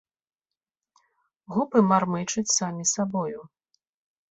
Губы мармычуць самі сабою.